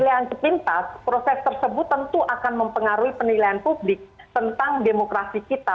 yang sepintas proses tersebut tentu akan mempengaruhi penilaian publik tentang demokrasi kita